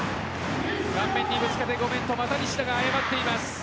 顔面にぶつけてごめんとまた西田が謝っています。